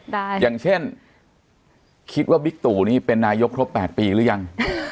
อย่างเช่นคิดว่าบิ๊กตู่นี่เป็นนายกครบ๘ปีหรือยัง